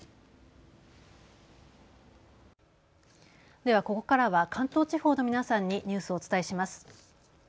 では、ここからは関東地方の皆さんにニュースをお伝えします。